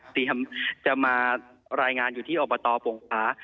เตรียมจะมารายงานอยู่ที่อบตปวงภา